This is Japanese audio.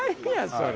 それ。